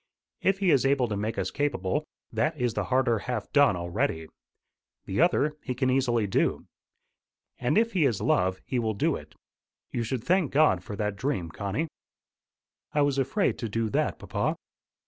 If he is able to make us capable, that is the harder half done already. The other he can easily do. And if he is love he will do it. You should thank God for that dream, Connie." "I was afraid to do that, papa."